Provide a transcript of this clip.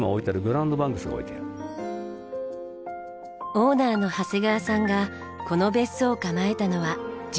オーナーの長谷川さんがこの別荘を構えたのは１７年前。